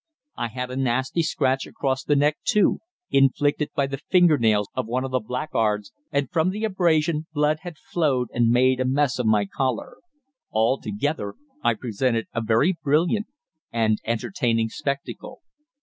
I had a nasty scratch across the neck, too, inflicted by the fingernails of one of the blackguards, and from the abrasion blood had flowed and made a mess of my collar. Altogether I presented a very brilliant and entertaining spectacle.